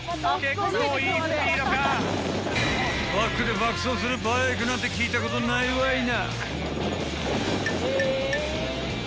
［バックで爆走するバイクなんて聞いたことないわいな］